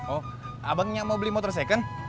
oh abangnya mau beli motor second